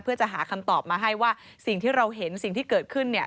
เพื่อจะหาคำตอบมาให้ว่าสิ่งที่เราเห็นสิ่งที่เกิดขึ้นเนี่ย